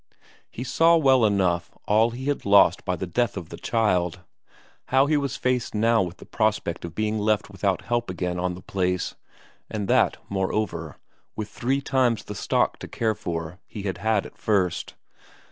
He saw well enough all he had lost by the death of the child; how he was faced now with the prospect of being left without help again on the place and that, moreover, with three times the stock to care for he had had at first.